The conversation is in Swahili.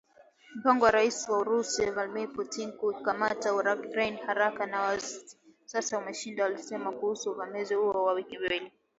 "Mpango wa Rais wa Urusi, Vladmir Putin wa kuikamata Ukraine haraka ni wazi sasa umeshindwa," alisema kuhusu uvamizi huo wa wiki mbili.